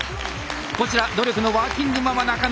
こちら努力のワーキングママ仲野。